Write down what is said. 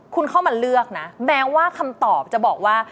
คุณเข้ามาเลือกนะแม้ว่าคำตอบจะบอกว่า